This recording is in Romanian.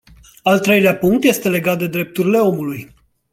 Al treilea punct este legat de drepturile omului.